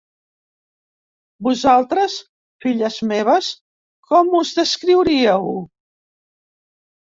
Vosaltres, filles meves, com us descriuríeu?